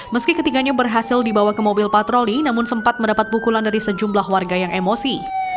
meski ketiganya berhasil dibawa ke mobil patroli namun sempat mendapat pukulan dari sejumlah warga yang emosi